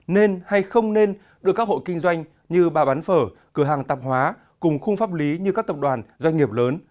nên hay không nên đưa các hộ kinh doanh như bà bán phở cửa hàng tạp hóa cùng khung pháp lý như các tập đoàn doanh nghiệp lớn